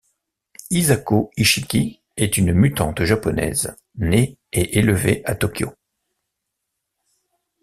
Hisako Ichiki est une mutante japonaise, née et élevée à Tokyo.